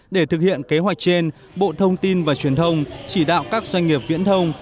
để thực hiện kế hoạch trên bộ thông tin và truyền thông chỉ đạo các doanh nghiệp viễn thông